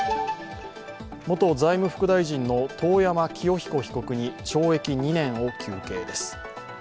元財務副大臣の遠山清彦被告に懲役２年を求刑です。